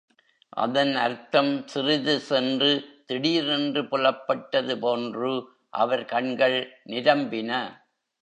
அதன் அர்த்தம் சிறிது சென்று திடீரென்று புலப்பட்டது போன்று அவர் கண்கள் நிரம்பின.